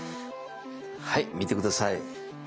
はい見て下さい。